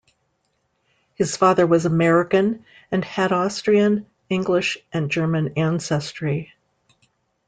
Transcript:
His father was American and had Austrian, English, and German ancestry.